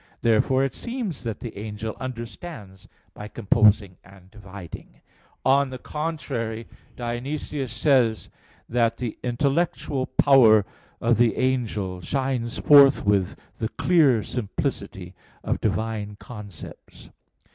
Therefore it seems that the angel understands by composing and dividing. On the contrary, Dionysius says (Div. Nom. vii) that "the intellectual power of the angel shines forth with the clear simplicity of divine concepts."